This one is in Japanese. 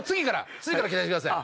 次から期待してください！